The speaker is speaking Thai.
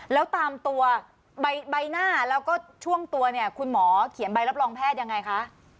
แล้วตามตัวใบหน้าแล้วก็ช่วงตัวเนี่ยคุณหมอเขียนใบรับรองแพทย์ยังไงคะ